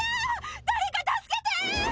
誰か助けて！